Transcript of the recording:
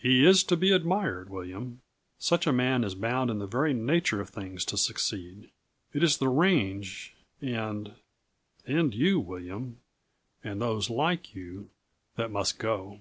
"He is to be admired, William. Such a man is bound in the very nature of things to succeed. It is the range and and you, William, and those like you, that must go.